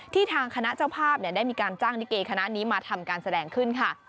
ทางคณะเจ้าภาพได้มีการจ้างลิเกคณะนี้มาทำการแสดงขึ้นค่ะ